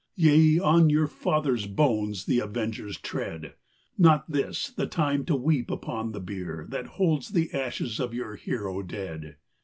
Yea, on your fathers' bones the avengers tread, Not this the time to weep upon the bier That holds the ashes of your hero dead.